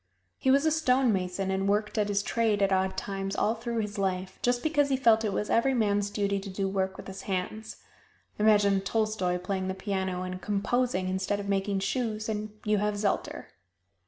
He was a stone mason, and worked at his trade at odd times all through his life, just because he felt it was every man's duty to work with his hands. Imagine Tolstoy playing the piano and composing instead of making shoes, and you have Zelter.